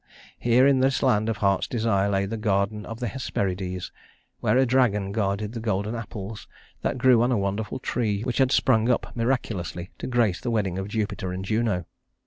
Here in this land of heart's desire lay the Garden of the Hesperides, where a dragon guarded the golden apples that grew on a wonderful tree which had sprung up miraculously to grace the wedding of Jupiter and Juno.